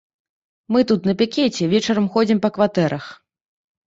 Мы тут на пікеце, вечарам ходзім па кватэрах.